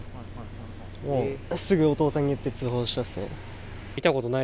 もうすぐお父さんに言って、通報したっすね。